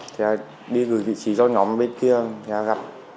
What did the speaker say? thì đi gửi vị trí do nhóm bên kia gặp